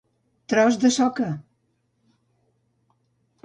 Tros de soca.